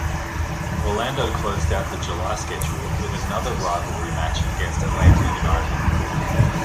Orlando closed out the July schedule with another rivalry match against Atlanta United.